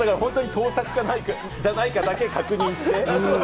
盗作じゃないかだけ確認して。